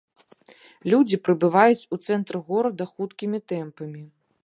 Людзі прыбываюць у цэнтр гораду хуткімі тэмпамі.